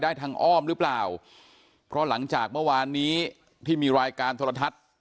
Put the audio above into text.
ทางอ้อมหรือเปล่าเพราะหลังจากเมื่อวานนี้ที่มีรายการโทรทัศน์